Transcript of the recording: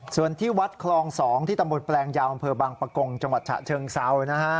ส่วนที่วัดคลอง๒ที่ตมแปลงยาวบบังปะกงจังหวัดฉะเชิงเซา